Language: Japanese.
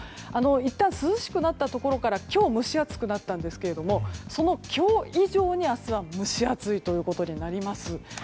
いったん涼しくなったところから今日は蒸し暑くなったんですがその今日以上に明日が蒸し暑いことになります。